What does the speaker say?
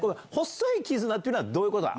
細い絆っていうのはどういうことだ？